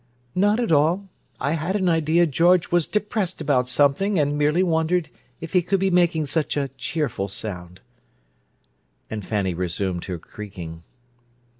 "Not at all. I had an idea George was depressed about something, and merely wondered if he could be making such a cheerful sound." And Fanny resumed her creaking.